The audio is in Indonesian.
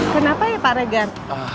kenapa ya pak regan